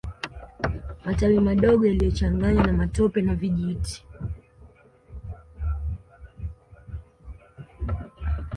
Matawi madogo yaliyochanganywa na matope na vijiti